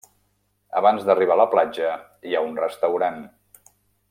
Abans d'arribar a la platja hi ha un restaurant.